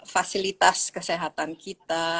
fasilitas kesehatan kita